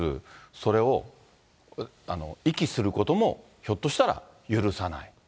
それを遺棄することもひょっとしたら許さない。